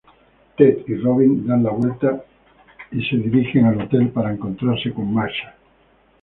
Ted y Robin dar la vuelta y dirigirse al hotel para encontrar Marshall.